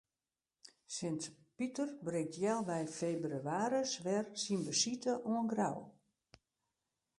Sint Piter bringt healwei febrewaris wer syn besite oan Grou.